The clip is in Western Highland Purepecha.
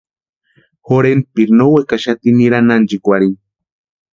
Jorhentpiri no wekaxati nirani ánchikwarhini.